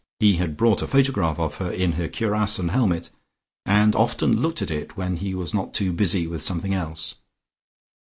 He had brought a photograph of her in her cuirass and helmet, and often looked at it when he was not too busy with something else.